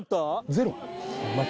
ゼロ？